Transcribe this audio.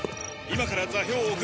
今から座標を送る。